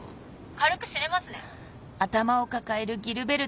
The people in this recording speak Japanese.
軽く死ねますね！